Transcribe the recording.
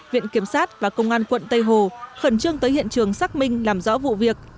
viện kiểm sát và công an quận tây hồ khẩn trương tới hiện trường xác minh làm rõ vụ việc